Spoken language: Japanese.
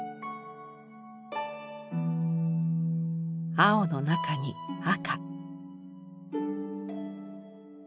青の中に赤。